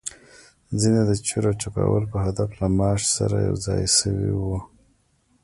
ځینې يې د چور او چپاول په هدف له مارش سره یوځای شوي وو.